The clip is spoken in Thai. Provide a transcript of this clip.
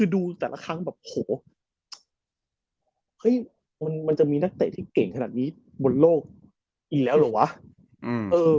ดูแต่ละครั้งแบบเฮ้ยมันจะมีนักเตะเก่งขนาดนี้มนโลกยังไง